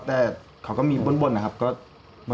แต่เขาก็มีบ้นนะครับ